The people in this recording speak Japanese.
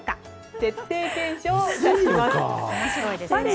徹底検証いたします。